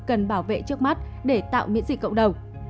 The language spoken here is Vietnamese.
cần bảo vệ trước mắt để tạo miễn dịch cộng đồng